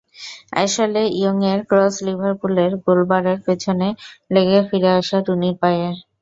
Ashley ইয়ংয়ের cross লিভারপুলের গোলবারের পেছনে লেগে ফিরে আসে রুনির পায়ে।